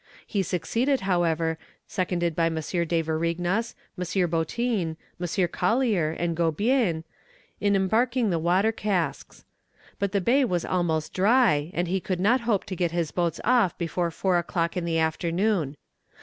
He succeeded, however, seconded by M. de Varignas, M. Boutin, M. Collier, and Gobien, in embarking the water casks. But the bay was almost dry, and he could not hope to get his boats off before four o'clock in the afternoon.